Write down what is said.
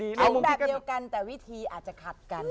ทำแบบเดียวกันแต่วิธีอาจจะขัดกัน